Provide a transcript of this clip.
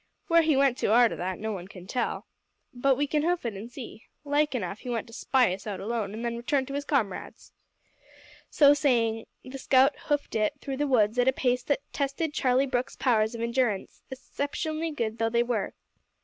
Where he went to arter that no one can tell, but we can hoof it an' see. Like enough he went to spy us out alone, an' then returned to his comrades." So saying, the scout "hoofed it" through the woods at a pace that tested Charlie Brooke's powers of endurance, exceptionally good though they were.